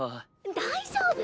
大丈夫！